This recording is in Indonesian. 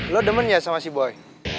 lo demen ya sama sea boy